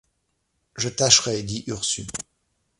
Je tâcherai, dit Ursus.